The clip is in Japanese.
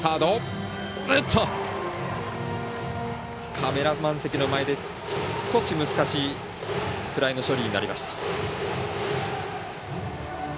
カメラマン席の前で少し難しいフライの処理になりました。